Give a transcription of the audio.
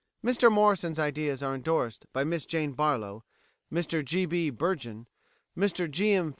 Mr Morrison's ideas are endorsed by Miss Jane Barlow, Mr G. B. Burgin, Mr G. M.